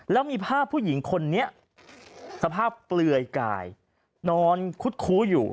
แล้วมีภาพผู้หญิงคนนี้สภาพเปลือยกายนอนคุดคู้อยู่